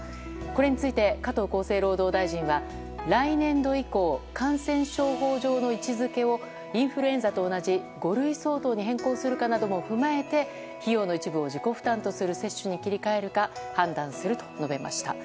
これについて加藤厚生労働大臣は来年度以降感染症法上の位置づけをインフルエンザと同じ五類相当に変更するかなども踏まえて費用の一部を自己負担とする接種に切り替えるか判断すると述べました。